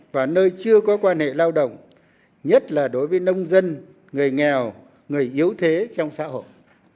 và nơi chưa có quan hệ lao động nhất là đối với nông dân người nghèo người yếu thế trong xã hội